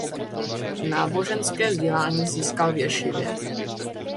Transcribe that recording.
Náboženské vzdělání získal v ješivě.